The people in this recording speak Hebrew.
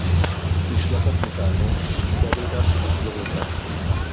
נשלחת מטעמו, ידאג לכך שתחזור לכאן